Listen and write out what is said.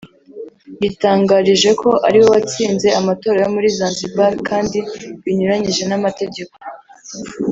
yitangarije ko ari we watsinze amatora yo muri Zanzibar kandi binyuranyije n’amategeko